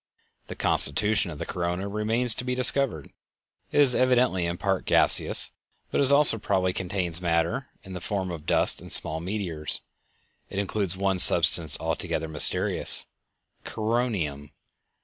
The constitution of the corona remains to be discovered. It is evidently in part gaseous, but it also probably contains matter in the form of dust and small meteors. It includes one substance altogether mysterious—"coronium."